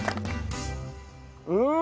うん！